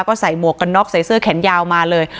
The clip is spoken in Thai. ก็ใส่หมวกกันน็อกใส่เสื้อแขนยาวมาเลย